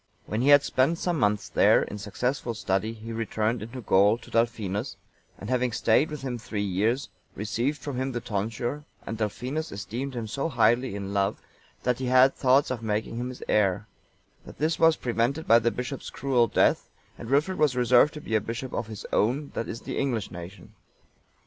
When he had spent some months there, in successful study, he returned into Gaul, to Dalfinus;(900) and having stayed with him three years, received from him the tonsure, and Dalfinus esteemed him so highly in love that he had thoughts of making him his heir; but this was prevented by the bishop's cruel death, and Wilfrid was reserved to be a bishop of his own, that is, the English, nation.